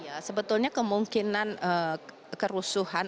iya sebetulnya kemungkinan kerusuhan